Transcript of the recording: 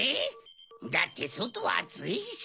だってそとはあついし。